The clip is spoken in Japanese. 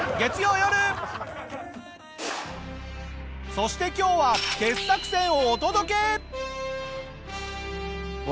そして今日は傑作選をお届け！